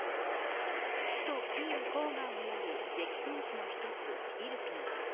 首都、キーウ郊外にある激戦地の一つ、イルピン。